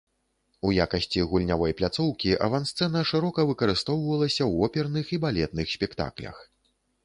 У якасці гульнявой пляцоўкі авансцэна шырока выкарыстоўвалася ў оперных і балетных спектаклях.